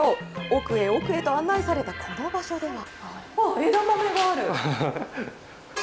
奥へ奥へと案内されたこの場所では。